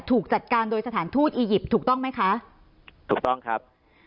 ถูกจัดการโดยสถานทูตอียิปต์ถูกต้องไหมคะถูกต้องครับ